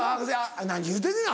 何言うてんねな！